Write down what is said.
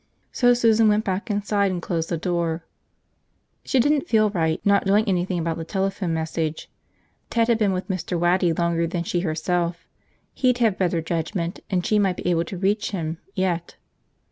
So Susan went back inside and closed the door. She didn't feel right, not doing anything about the telephone message. Ted had been with Mr. Waddy longer than she herself, he'd have better judgment; and she might be able to reach him, yet.